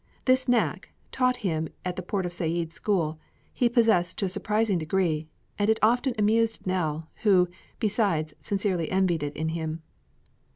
This knack, taught to him at the Port Said school, he possessed to a surprising degree and with it often amused Nell, who, besides, sincerely envied it in him.